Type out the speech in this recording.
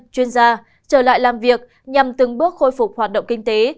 chuyên gia trở lại làm việc nhằm từng bước khôi phục hoạt động kinh tế